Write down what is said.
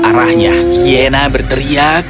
arahnya hyena berteriak